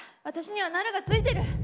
私にはなるがついてる！